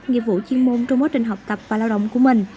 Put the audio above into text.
nghiệp vụ chuyên môn trong quá trình học tập và lao động của mình